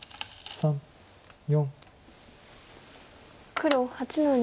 黒８の二。